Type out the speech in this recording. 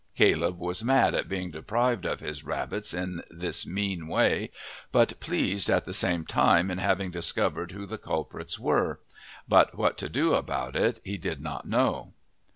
Caleb was mad at being deprived of his rabbits in this mean way, but pleased at the same time in having discovered who the culprits were; but what to do about it he did not know.